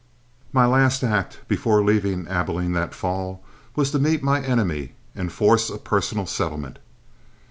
My last act before leaving Abilene that fall was to meet my enemy and force a personal settlement.